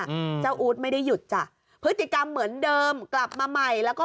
อืมเจ้าอู๊ดไม่ได้หยุดจ้ะพฤติกรรมเหมือนเดิมกลับมาใหม่แล้วก็